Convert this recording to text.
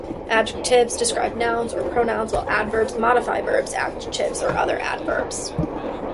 Adjectives describe nouns or pronouns, while adverbs modify verbs, adjectives, or other adverbs.